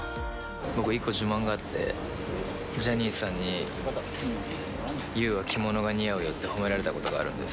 僕、一個自慢があって、ジャニーさんにＹＯＵは着物が似合うよって褒められたことがあるんです。